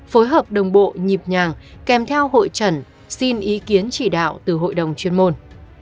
phối hợp đồng bộ nhịp nhàng kèm theo hội trần xin ý kiến chỉ đạo từ hội đồng chuyên môn